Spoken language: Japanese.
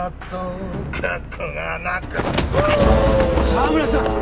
澤村さん！